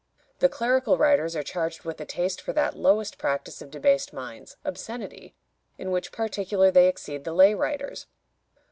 The clerical writers are charged with a taste for that lowest practice of debased minds, obscenity, in which particular they exceed the lay writers.